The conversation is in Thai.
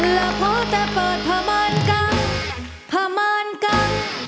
แล้วพอแต่เปิดพระมันกังพระมันกัง